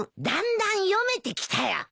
だんだん読めてきたよ。